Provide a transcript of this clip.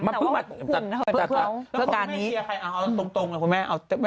ก็แยกทอดชื่อเรขาแขวน